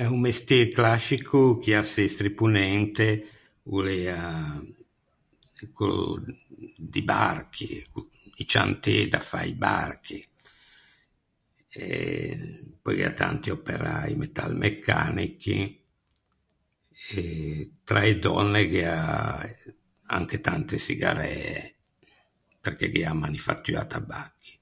Eh un mestê clascico chì à Sestri Ponente o l’ea quello di barchi, i ciantê da fâ i barchi e pöi gh’ea tanti operäi metalmecanichi e tra e dònne gh’ea anche tante çigaræe, perché gh’ea a manifattua tabacchi.